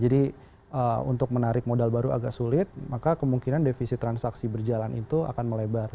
jadi untuk menarik modal baru agak sulit maka kemungkinan defisit transaksi berjalan itu akan melebar